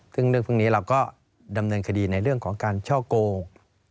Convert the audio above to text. ซึ่งเรื่องพวกนี้เราก็ดำเนินคดีในเรื่องของการช่อโกง